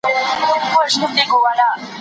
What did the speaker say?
هغوی له سمندري غاړو څخه په شا وتمبول سول.